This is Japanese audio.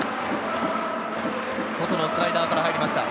外のスライダーから入りました。